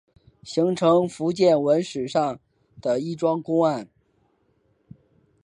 形成福建文史上的一桩公案。